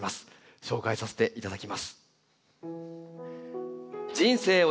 紹介させていただきます。